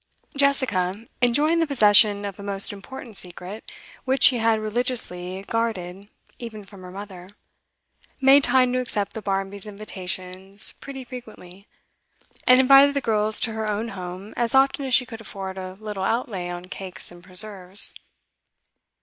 Jessica, enjoying the possession of a most important secret, which she had religiously guarded even from her mother, made time to accept the Barmbys' invitations pretty frequently, and invited the girls to her own home as often as she could afford a little outlay on cakes and preserves.